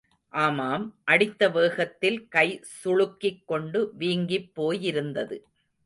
ஆமாம் அடித்த வேகத்தில் கை சுளுக்கிக் கொண்டு, வீங்கிப் போயிருந்தது.